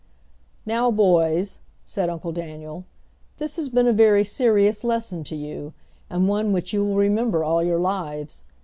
"Now, boys," said Uncle Daniel, "this has been a very serious lesson to you and one which you will remember all your lives.